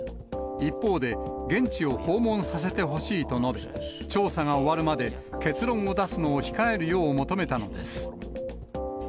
一方で、現地を訪問させてほしいと述べ、調査が終わるまで結論を出すのを控えるよう求めたのです。